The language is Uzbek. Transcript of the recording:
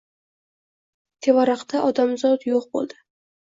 Tevaraqda odamzot yo‘q bo‘ldi.